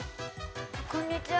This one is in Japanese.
こんにちは。